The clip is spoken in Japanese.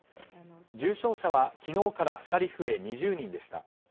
重症者は昨日から２人増え２０人でした。